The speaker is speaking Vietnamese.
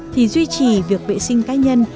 thì duy trì việc vệ sinh cá nhân